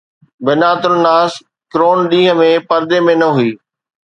بنات الناس ڪرون ڏينهن ۾ پردي ۾ نه هئي